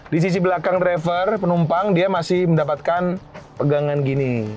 di sisi belakang driver penumpang dia masih mendapatkan pegangan gini